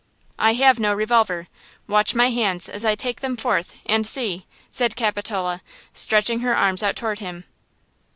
"I have no revolver–watch my hands as I take them forth, and see!" said Capitola, stretching her arms out toward him.